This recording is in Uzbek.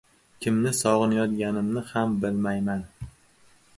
Kimni sog‘inayotganimni ham bilmayman.